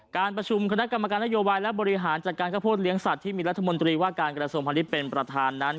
การประชุมคณะกรรมการนโยบายและบริหารจัดการข้าวโพดเลี้ยสัตว์ที่มีรัฐมนตรีว่าการกระทรวงพาณิชย์เป็นประธานนั้น